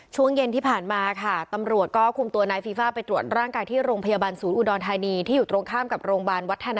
ช่วงเย็นที่ผ่านมาค่ะตำรวจก็คุมตัวนายฟีฟ่า